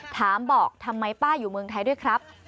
ถามบอกทำไมป้าอยู่เมืองไทยด้วยครับ